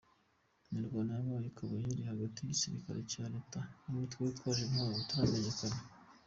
Imirwano yabaye ikaba yari hagati y’igisirikare cya Leta n’umutwe witwaje intwaro utaramenyekana.